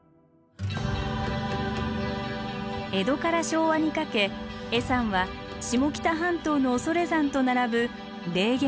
江戸から昭和にかけ恵山は下北半島の恐山と並ぶ霊験